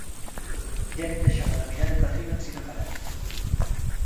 Ya nun dexaba d'amirare p'arriba ensin aparare.